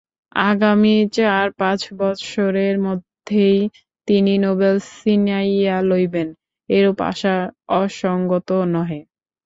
আগামী চার-পাঁচ বৎসরের মধ্যেই তিনি নোবেল ছিনাইয়া লইবেন—এইরূপ আশা অসংগত নহে।